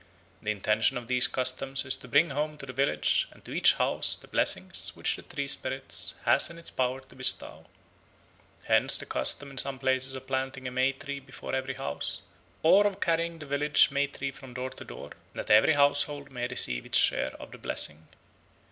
The intention of these customs is to bring home to the village, and to each house, the blessings which the tree spirit has in its power to bestow. Hence the custom in some places of planting a May tree before every house, or of carrying the village May tree from door to door, that every household may receive its share of the blessing.